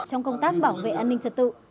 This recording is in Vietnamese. trong công tác bảo vệ an ninh trật tự